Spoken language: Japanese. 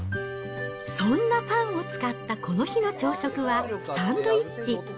そんなパンを使ったこの日の朝食は、サンドイッチ。